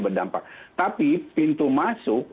berdampak tapi pintu masuk